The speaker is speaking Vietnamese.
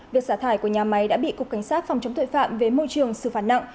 việc xả thải của nhà máy đã bị cục cảnh sát phòng chống tội phạm về môi trường xử phạt nặng